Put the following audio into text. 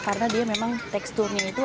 karena dia memang teksturnya itu